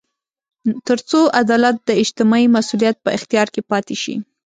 تر څو عدالت د اجتماعي مسوولیت په اختیار کې پاتې شي.